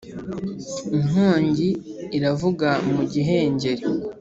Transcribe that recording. inkongi iravuga mu gihengeri